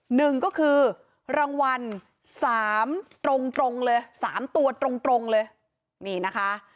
หนึ่งก็คือรางวัลสามตรงตรงเลยสามตัวตรงตรงเลยนี่นะคะ